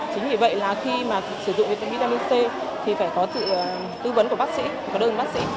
chính vì vậy là khi mà sử dụng cái vitamin c thì phải có sự tư vấn của bác sĩ có đơn bác sĩ